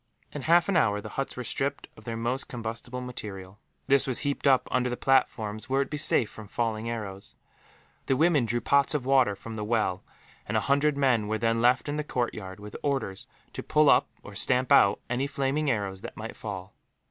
In half an hour, the huts were stripped of their most combustible material. This was heaped up under the platforms, where it would be safe from falling arrows. The women drew pots of water from the well, and a hundred men were then left in the courtyard, with orders to pull up or stamp out any flaming arrows that might fall.